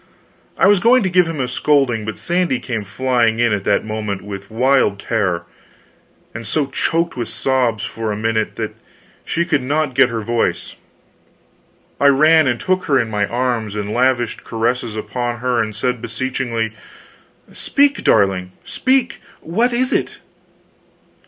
I was going to give him a scolding, but Sandy came flying in at that moment, wild with terror, and so choked with sobs that for a minute she could not get her voice. I ran and took her in my arms, and lavished caresses upon her and said, beseechingly: "Speak, darling, speak! What is it?"